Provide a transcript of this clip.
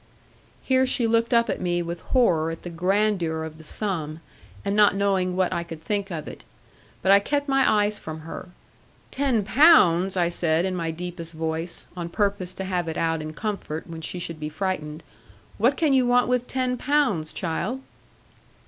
Here she looked up at me, with horror at the grandeur of the sum, and not knowing what I could think of it. But I kept my eyes from her. 'Ten pounds!' I said in my deepest voice, on purpose to have it out in comfort, when she should be frightened; 'what can you want with ten pounds, child?'